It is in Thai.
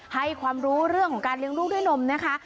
ให้ความรู้เรื่องของการเลี้ยงลูกด้วยนมนะคะ